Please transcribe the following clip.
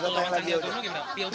gak usah tanya lagi